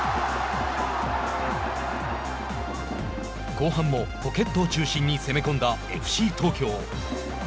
後半もポケットを中心に攻め込んだＦＣ東京。